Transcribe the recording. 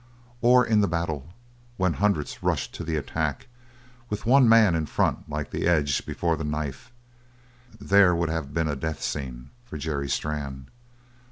Or in the battle, when hundreds rush to the attack with one man in front like the edge before the knife there would have been a death scene for Jerry Strann.